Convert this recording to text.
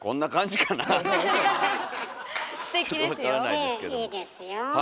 ええいいですよ。